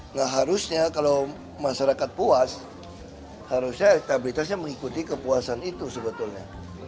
nah harusnya kalau masyarakat puas harusnya elektabilitasnya mengikuti kepuasan itu sebetulnya